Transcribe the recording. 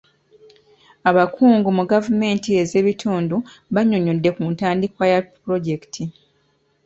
Abakungu mu gavumenti ez'ebitundu bannyonnyodde ku ntandikwa ya pulojekiti.